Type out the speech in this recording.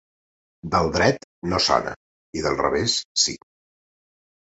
Del dret no sona i del revés sí.